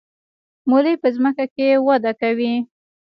ملی په ځمکه کې وده کوي